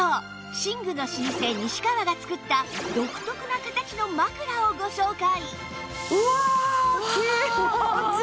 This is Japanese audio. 寝具の老舗西川が作った独特な形の枕をご紹介！